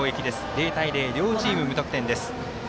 ０対０、両チーム無得点です。